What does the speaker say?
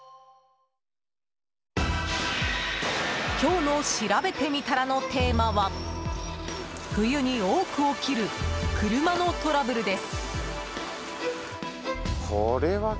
今日のしらべてみたらのテーマは冬に多く起きる車のトラブルです。